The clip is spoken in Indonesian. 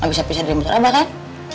gak bisa pisah dari motor abah kan